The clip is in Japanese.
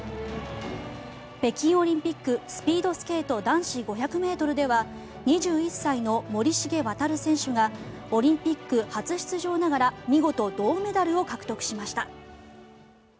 北京オリンピックスピードスケート男子５００ｍでは２１歳の森重航選手がオリンピック初出場ながら見事銅メダルを獲得しました。